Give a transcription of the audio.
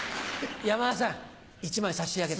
山田さん１枚差し上げて。